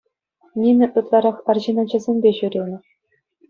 Нина ытларах арҫын ачасемпе ҫӳренӗ.